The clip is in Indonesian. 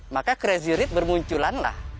maka crazy rate bermunculanlah